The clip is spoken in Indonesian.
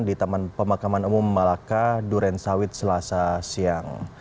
di taman pemakaman umum malaka durensawit selasa siang